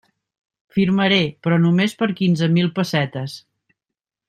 Firmaré, però només per quinze mil pessetes.